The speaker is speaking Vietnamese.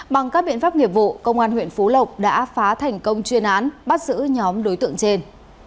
bằng các biện pháp nghiệp vụ công an huyện phú lộc đã phá thành công chuyên án bắt giữ nhóm đối tượng trên